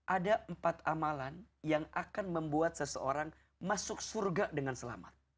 ada empat amalan yang akan membuat seseorang masuk surga dengan selamat